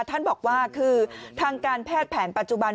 ท่านบอกว่าคือทางการแพทย์แผนปัจจุบัน